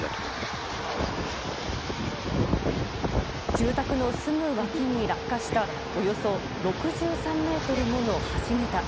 住宅のすぐ脇に落下したおよそ６３ｍもの橋桁。